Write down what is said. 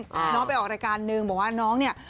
น้องไปออกรายการนึงบอกว่าน้องเนี่ย